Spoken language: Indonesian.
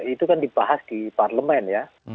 itu kan dibahas di parlemen ya